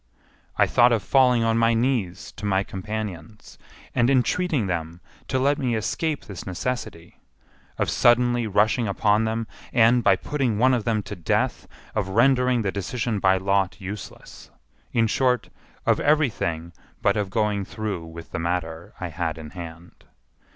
I thought of falling on my knees to my companions, and entreating them to let me escape this necessity; of suddenly rushing upon them, and, by putting one of them to death, of rendering the decision by lot useless—in short, of every thing but of going through with the matter I had in hand.